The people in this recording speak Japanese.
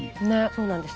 そうなんです。